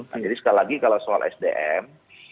nah jadi sekali lagi kalau soal sdm